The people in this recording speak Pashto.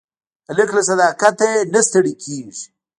هلک له صداقت نه نه ستړی کېږي.